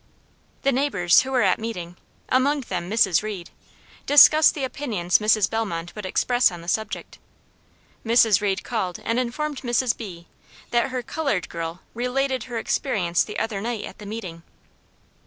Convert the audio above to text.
The neighbors, who were at meeting, among them Mrs. Reed, discussed the opinions Mrs. Bellmont would express on the subject. Mrs. Reed called and informed Mrs. B. that her colored girl "related her experience the other night at the meeting."